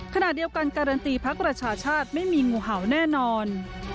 ขณะเดียวกันการันตีพักประชาชาติไม่มีงูเห่าแน่นอน